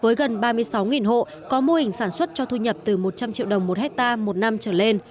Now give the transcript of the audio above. với gần ba mươi sáu hộ có mô hình sản xuất cho thu nhập từ một trăm linh triệu đồng một hectare một năm trở lên